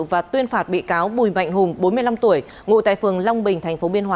và tuyên phạt bị cáo bùi mạnh hùng bốn mươi năm tuổi ngụ tại phường long bình